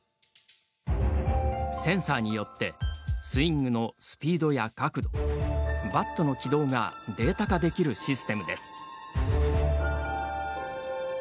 センサーによってスイングのスピードや角度バットの軌道がデータ化できるシステムです。